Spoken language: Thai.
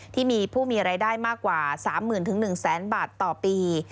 ที่มีผู้มีรายได้มากกว่า๓๐๐๐๑๐๐๐บาทต่อปี